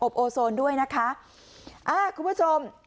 อบโอโซนด้วยนะคะคุณผู้ชม